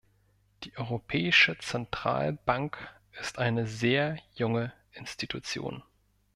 Die Europäische Zentralbank ist eine sehr junge Institution.